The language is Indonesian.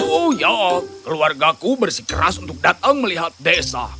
oh ya keluarga aku bersikeras untuk datang melihat desa